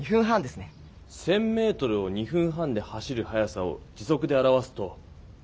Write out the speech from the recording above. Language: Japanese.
１０００メートルを２分半で走る速さを時速で表すと。